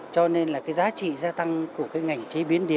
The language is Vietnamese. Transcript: cho nên là cái giá trị gia tăng của cái ngành chế biến điện